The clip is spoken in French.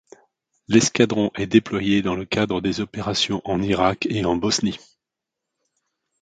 L'escadron est déployé dans le cadre des opérations en Irak et en Bosnie.